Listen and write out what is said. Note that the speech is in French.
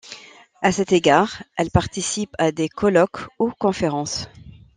A cet égard, elle participe à des colloques ou conférences.